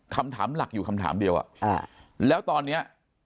คำถามหลักอยู่คำถามเดียวแล้วตอนนี้